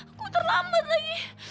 aku terlambat lagi